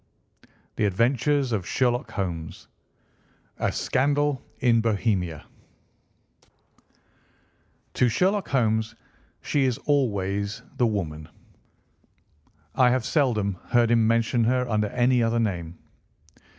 The Adventure of the Copper Beeches I. A SCANDAL IN BOHEMIA I. To Sherlock Holmes she is always the woman. I have seldom heard him mention her under any other name.